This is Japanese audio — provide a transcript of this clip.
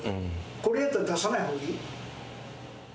これやったら出さないほうがいい。